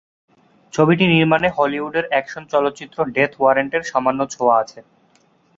ছবিটি নির্মানে হলিউডের অ্যাকশন চলচ্চিত্র 'ডেথ ওয়ারেন্ট' এর সামান্য ছায়া আছে।